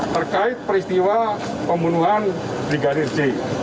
terkait peristiwa pembunuhan brigadir j